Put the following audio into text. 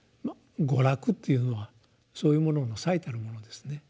「娯楽」っていうのはそういうものの最たるものですね。